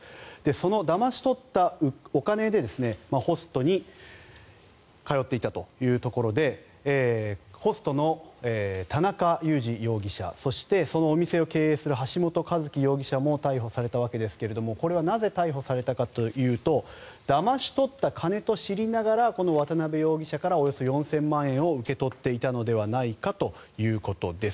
そのだまし取ったお金でホストに通っていたというところでホストの田中裕志容疑者そしてそのお店を経営する橋本一喜容疑者も逮捕されたわけですがこれはなぜ逮捕されたかというとだまし取った金と知りながらこの渡邊容疑者からおよそ４０００万円を受け取っていたのではないかということです。